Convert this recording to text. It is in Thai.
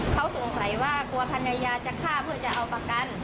เขาสงสัยว่ากลัวภรรยาจะฆ่าเพื่อจะเอาประกัน